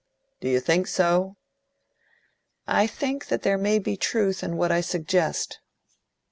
"Do you think so?" "I think that there may be truth in what I suggest."